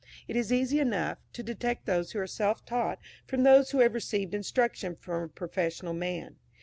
It is easy enough, to detect those who are self taught from those who have received instruction from a professional man.